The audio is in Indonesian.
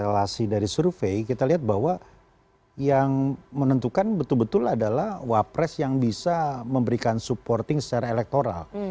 relasi dari survei kita lihat bahwa yang menentukan betul betul adalah wapres yang bisa memberikan supporting secara elektoral